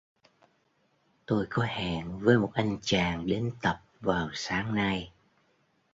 Tôi có hẹn với một anh chàng đến tập vào sáng nay